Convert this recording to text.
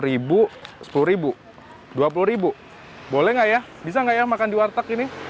rp lima sepuluh ribu dua puluh ribu boleh nggak ya bisa nggak ya makan di warteg ini